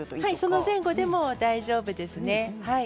その前後でも大丈夫ですね。